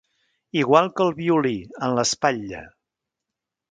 Igual que el Violí, en l'espatlla.